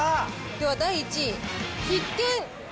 では第１位、必見！